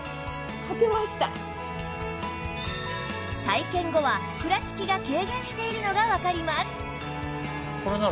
体験後はふらつきが軽減しているのがわかります